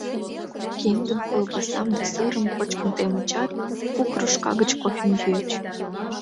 Киндым, колбасам да сырым кочкын темычат, пу кружка гыч кофем йӱыч.